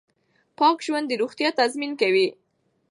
پاک ژوند د روغتیا تضمین کوي.